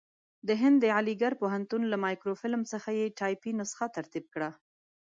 د هند د علیګړ پوهنتون له مایکروفیلم څخه یې ټایپي نسخه ترتیب کړه.